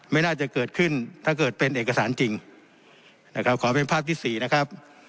ไม่น่าจะเกิดขึ้นถ้าเกิดเป็นเอกสารจริงนะครับขอเป็นภาพที่สี่นะครับ